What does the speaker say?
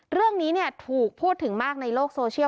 เรื่องนี้ถูกพูดถึงมากในโลกโซเชียล